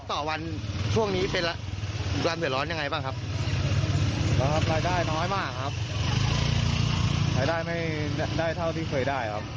ถ้าได้ที่เกิดไว้เท่าที่เคยได้ครับ